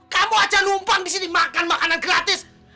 kamu aja numpan di sini makan makanan gratis